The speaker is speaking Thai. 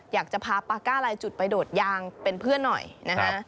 อยากจะพาปาก้าลายจุดไปโดดยางเป็นเพื่อนหน่อยนะฮะ